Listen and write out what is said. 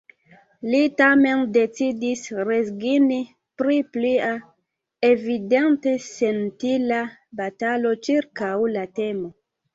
Li tamen decidis rezigni pri plia, evidente senutila batalo ĉirkaŭ la temo.